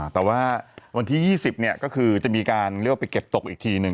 แต่ว่าวันที่๒๐ก็คือจะมีการเรียกว่าไปเก็บตกอีกทีหนึ่ง